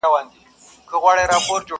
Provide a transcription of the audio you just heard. هم یې خزان هم یې بهار ښکلی دی؛